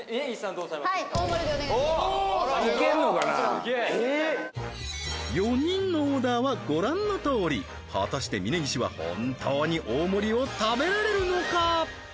おーさすがすげえ４人のオーダーはご覧のとおり果たして峯岸は本当に大盛を食べられるのか？